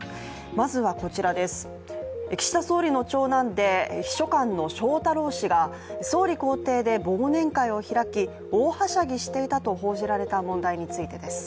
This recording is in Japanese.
まずはこちらです、岸田総理の長男で秘書官の翔太郎氏が総理公邸で、忘年会を開き大はしゃぎしていたと報じられた問題についてです。